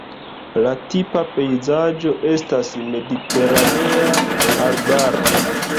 La tipa pejzaĝo estas mediteranea arbaro.